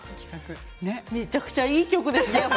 めちゃくちゃいい曲ですね。